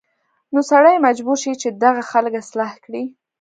نو سړی مجبور شي چې دغه خلک اصلاح کړي